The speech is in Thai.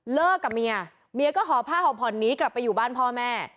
กับเมียเมียก็ห่อผ้าห่อผ่อนนี้กลับไปอยู่บ้านพ่อแม่